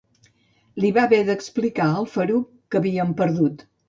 Li va haver d'explicar al Farouk que havíem perdut.